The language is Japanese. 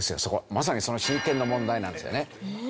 まさにその親権の問題なんですよね。